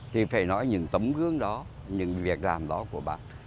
thì phải nói những tấm gương đó những việc làm đó của bạn